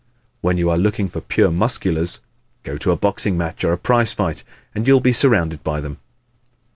When you are looking for pure Musculars go to a boxing match or a prize fight and you will be surrounded by them.